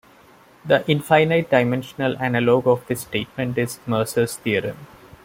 The infinite-dimensional analog of this statement is Mercer's theorem.